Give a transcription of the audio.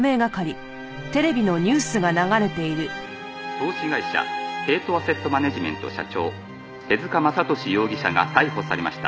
「投資会社帝都アセットマネジメント社長手塚正敏容疑者が逮捕されました」